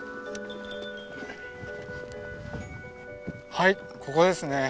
はいここですね。